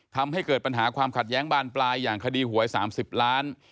ทำให้เกิดปัญหาความขัดแย้งบานปลายอย่างคดีหวย๓๐ล้าน